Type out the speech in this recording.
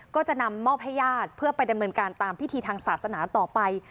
ก็จะนำมอบให้ญาติเพื่อไปดำเนินการตามพิธีทางศาสนาต่อไป